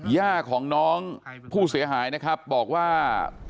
ย่าของน้องผู้เสียหายนะครับบอกว่า